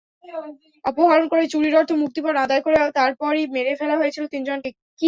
অপহরণ করে চুরির অর্থ মুক্তিপণ আদায় করে তারপরই মেরে ফেলা হয়েছিল তিনজনকে।